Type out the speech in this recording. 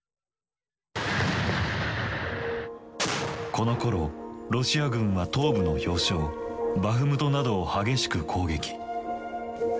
このころロシア軍は東部の要衝バフムトなどを激しく攻撃。